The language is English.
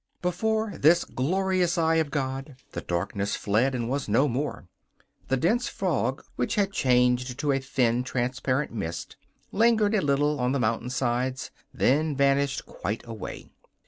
Before this glorious eye of God the darkness fled and was no more. The dense fog, which had changed to a thin, transparent mist, lingered a little on the mountain sides, then vanished quite away.